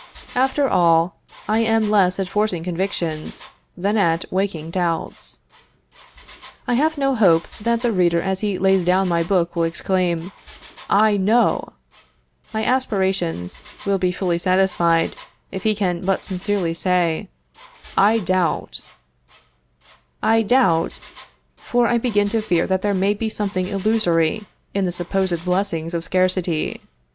After all, I am less at forcing convictions, than at waking doubts. I have no hope that the reader as he lays down my book will exclaim, I know. My aspirations will be fully satisfied, if he can but sincerely say, I doubt. "I doubt, for I begin to fear that there may be something illusory in the supposed blessings of scarcity."